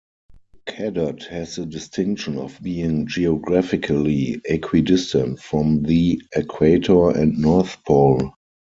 Cadott has the distinction of being geographically equidistant from the Equator and North Pole.